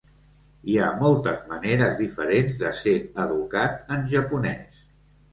Hi ha moltes maneres diferents de ser educat en japonès.